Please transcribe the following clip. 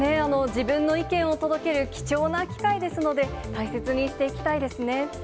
自分の意見を届ける貴重な機会ですので、大切にしていきたいですね。